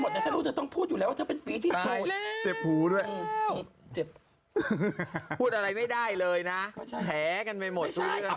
เข้ากันไปหมด